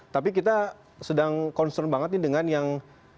tapi kita sedang concern banget nih dengan yang